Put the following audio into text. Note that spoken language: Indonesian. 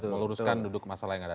meluruskan duduk masalah yang ada